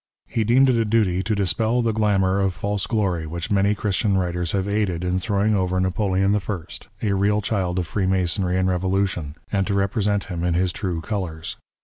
He deemed it a duty to dispel the glamour of false glory which many Christian writers have aided in throwing over Napoleon I., a real child of Freemasonry and Eevolution, and to re present him in his true colours.